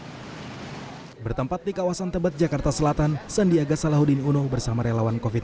hai bertempat di kawasan tebat jakarta selatan sandiaga salahuddin uno bersama relawan kofit